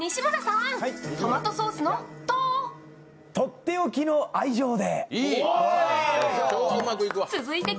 とっておきの愛情で。